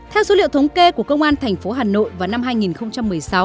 theo số liệu thống kê của công an thành phố hà nội vào năm hai nghìn một mươi sáu